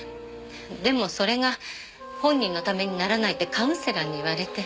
でもそれが本人のためにならないってカウンセラーに言われて。